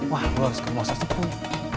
wah gue harus ke rumah sesepun